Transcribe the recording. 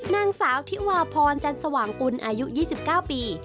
นางสาวธิวาพรจันสว่างกุลอายุ๒๙ปี